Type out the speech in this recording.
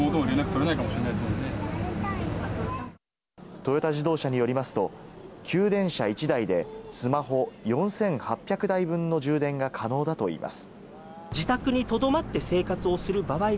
トヨタ自動車によりますと、給電車１台でスマホ４８００台分の充電が可能だといいます。